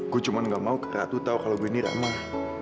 gue cuma gak mau ratu tahu kalau gue ini ramah